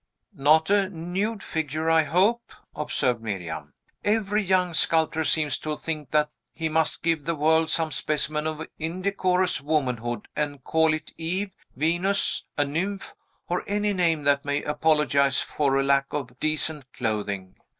"Not a nude figure, I hope," observed Miriam. "Every young sculptor seems to think that he must give the world some specimen of indecorous womanhood, and call it Eve, Venus, a Nymph, or any name that may apologize for a lack of decent clothing.